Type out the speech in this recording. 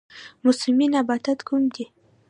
موسمي نباتات کوم دي؟